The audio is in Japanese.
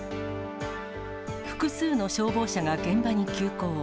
複数の消防車が現場に急行。